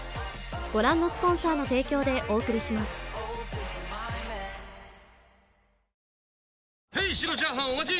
へい「白チャーハン」お待ち！